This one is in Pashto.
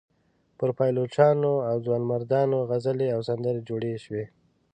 پر پایلوچانو او ځوانمردانو غزلې او سندرې جوړې شوې.